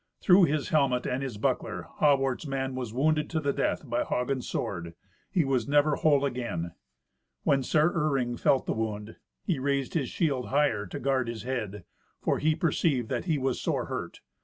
Through his helmet and his buckler, Hawart's man was wounded to the death by Hagen's sword. He was never whole again. When Sir Iring felt the wound, he raised his shield higher to guard his head, for he perceived that he was sore hurt.